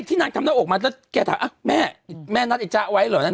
นางทำหน้าอกมาแล้วแกถามแม่แม่นัดไอจ๊ะไว้เหรอนั่น